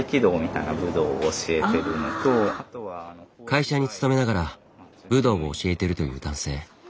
会社に勤めながら武道を教えているという男性。